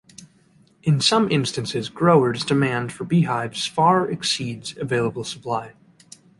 In some instances growers' demand for beehives far exceeds the available supply.